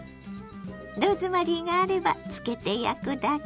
ローズマリーがあれば漬けて焼くだけ。